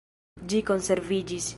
Ĝi konserviĝis.